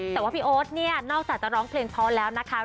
แต่ว่าพี่โอ๊ตเนี่ยนอกจากจะร้องเพลงเพราะแล้วนะคะ